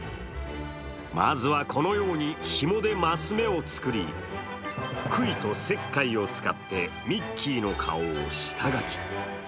まずは、このようにひもで升目を作りくいと石灰を使ってミッキーの顔を下がき。